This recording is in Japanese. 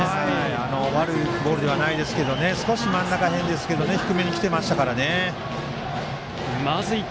悪いボールではないですけど少し真ん中ですけど低めに来ていましたからね。